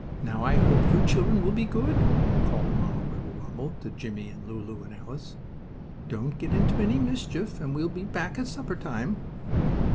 "Now, I hope you children will be good," called Mamma Wibblewobble to Jimmie and Lulu and Alice. "Don't get into any mischief and we'll be back at supper time."